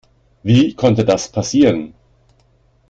Wie konnte das passieren?